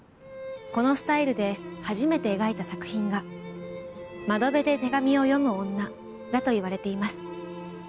このスタイルで初めて描いた作品が『窓辺で手紙を読む女』だといわれています。